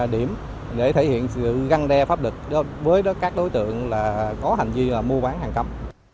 điểm để thể hiện sự găng đe pháp địch với các đối tượng có hành vi mua bán hàng cấm